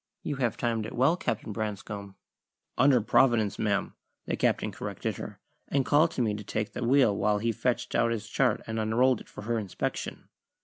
"You have timed it well, Captain Branscome." "Under Providence, ma'am," the Captain corrected her, and called to me to take the wheel while he fetched out his chart and unrolled it for her inspection.